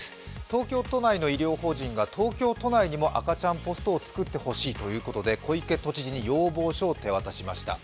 東京都内の医療法人が東京都内にも赤ちゃんポストを作ってほしいということで小池都知事に要望書を手渡しました。